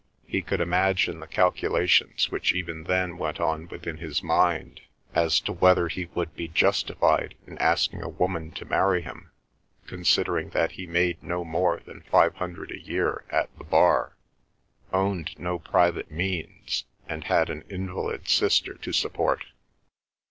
He could imagine the calculations which even then went on within his mind, as to whether he would be justified in asking a woman to marry him, considering that he made no more than five hundred a year at the Bar, owned no private means, and had an invalid sister to support.